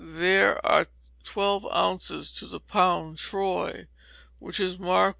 There are twelve ounces to the pound troy, which is marked lb.